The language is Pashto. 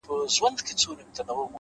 نیک چلند تل بېرته راګرځي’